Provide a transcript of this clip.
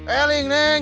eh ling neng